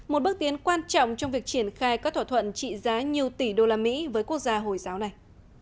một bước tiến quan trọng trong việc triển khai các thỏa thuận trị giá nhiều tỷ đô la mỹ với quốc gia hồi giáo này